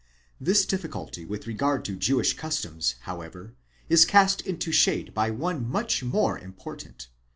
This difficulty with regard to Jewish customs, however, is cast into shade by one much more important.